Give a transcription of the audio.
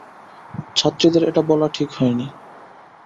ছাত্রীদের এটা বলা ঠিক হয় নি।